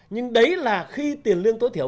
nhưng đấy là khi tiền lương tối thiểu